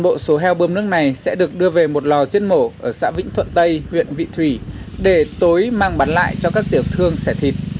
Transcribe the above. bộ số heo bơm nước này sẽ được đưa về một lò giết mổ ở xã vĩnh thuận tây huyện vị thủy để tối mang bán lại cho các tiểu thương xẻ thịt